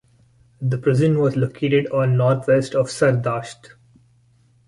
The prison was located on northwest of Sardasht.